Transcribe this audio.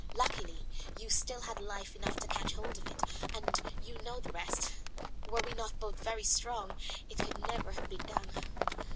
Luckily you still had life enough to catch hold of it, and you know the rest. Were we not both very strong, it could never have been done."